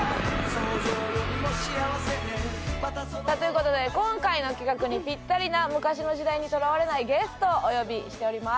さあという事で今回の企画にぴったりな昔の時代にとらわれないゲストをお呼びしております。